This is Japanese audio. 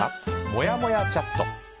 もやもやチャット。